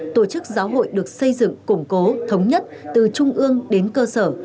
tổ chức giáo hội được xây dựng củng cố thống nhất từ trung ương đến cơ sở